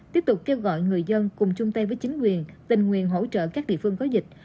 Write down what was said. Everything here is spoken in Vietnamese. tiếp tục kêu gọi người dân cùng chung tay với chính quyền tình nguyện hỗ trợ các địa phương có dịch